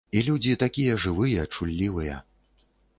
І людзі такія жывыя, чуллівыя.